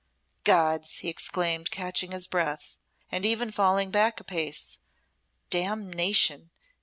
"Gods!" he exclaimed, catching his breath, and even falling back apace, "Damnation!